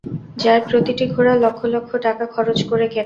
যার প্রতিটি ঘোড়া লক্ষ-লক্ষ টাকা খরচ করে কেনা।